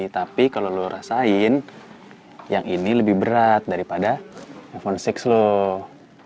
tapi kalau lo rasain yang ini lebih berat daripada iphone enam loh